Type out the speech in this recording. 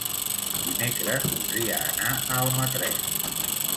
Dimecres voldria anar a Almatret.